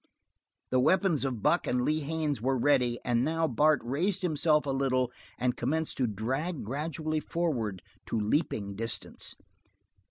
The weapons of Buck and Lee Haines were ready, and now Bart raised himself a little and commenced to drag gradually forward to leaping distance.